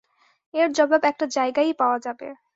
এর জবাব একটা জায়গায়ই পাওয়া যাবে।